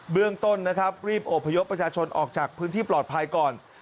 เรื่องต้นนะครับรีบอบพยพประชาชนออกจากพื้นที่ปลอดภัยก่อน